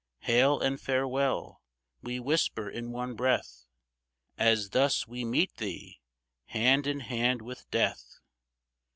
Hail and farewell, — we whisper in one breath, As thus we meet thee, hand in hand with death